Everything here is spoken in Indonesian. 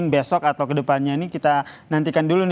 besok atau kedepannya ini kita nantikan dulu